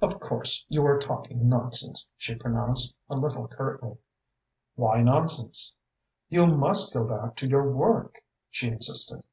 "Of course you are talking nonsense," she pronounced, a little curtly. "Why nonsense?" "You must go back to your work," she insisted.